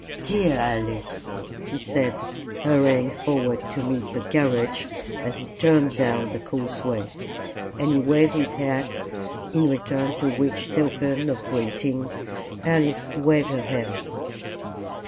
"Dear Alice," he said, hurrying forward to meet the carriage as it turned down the causeway. And he waved his hat, in return for which token of greeting Alice waved her hand.